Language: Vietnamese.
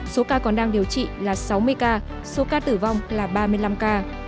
số ca còn đang điều trị là sáu mươi ca số ca tử vong là ba mươi năm ca